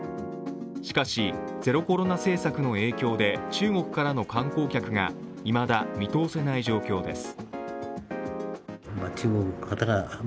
しかし、ゼロコロナ政策の影響で中国からの観光客がいまだ見通せない状況です。